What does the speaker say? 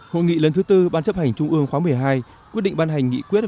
hội nghị lần thứ tư ban chấp hành trung ương khóa một mươi hai quyết định ban hành nghị quyết